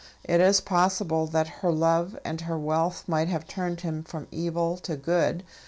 It is possible that her love and her wealth might have turned him from evil to good.